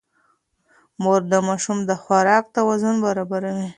مور د ماشوم د خوراک توازن برابروي.